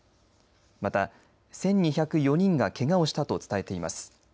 また１２０４人がけがをしたと伝えています。